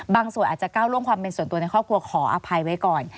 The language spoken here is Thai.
ส่วนอาจจะก้าวล่วงความเป็นส่วนตัวในครอบครัวขออภัยไว้ก่อน